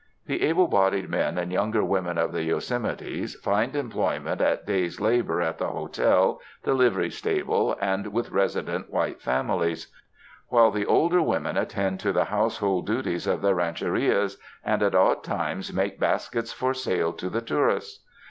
The able bodied men and younger women of the Yosemites, find employment at day's labor at the hotel, the livery stable, and with resident white families ; while the older women attend to the house hold duties of their rancherias, and at odd times make baskets for sale to the tourists.